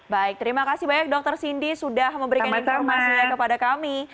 baik terima kasih banyak dokter cindy sudah memberikan informasinya kepada kami